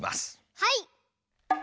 はい！